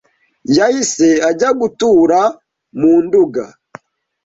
yahise ajya gutura mu Nduga